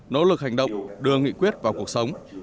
nỗ lực hành động đưa nghị quyết vào cuộc sống